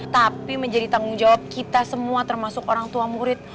tapi menjadi tanggung jawab kita semua termasuk orang tua murid